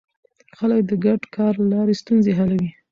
خلک د ګډ کار له لارې ستونزې حلوي